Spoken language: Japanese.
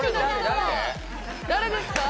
誰ですか？